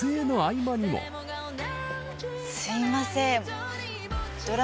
・すいません。